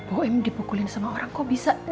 boim dipukulin sama orang kok bisa